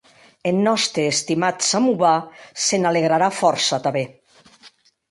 Eth nòste estimat samovar se n'alegrarà fòrça tanben.